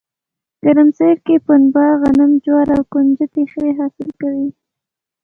ګرمسیر کې پنه، غنم، جواري او ُکنجدي ښه حاصل کوي